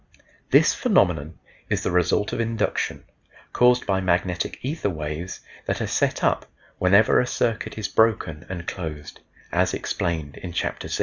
This phenomenon is the result of induction, caused by magnetic ether waves that are set up whenever a circuit is broken and closed, as explained in Chapter VI.